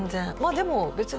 でも別に。